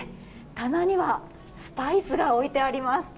棚にはスパイスが置いてあります。